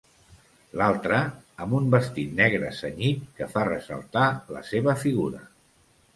L'altra, amb un vestit negre cenyit que fa ressaltar la seva figura.